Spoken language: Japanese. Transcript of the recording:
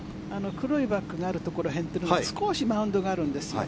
黒いバッグがあるところがある辺り少しマウンドがあるんですよ。